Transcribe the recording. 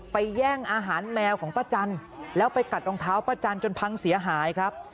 แย่งอาหารแมวของป้าจันทร์แล้วไปกัดรองเท้าป้าจันจนพังเสียหายครับ